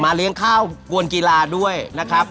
เลี้ยงข้าวกวนกีฬาด้วยนะครับ